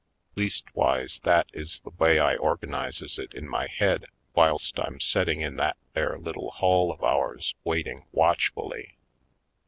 Leastwise, that is the way I organizes it in my head whilst I'm setting in that there little hall of ours waiting watchfully.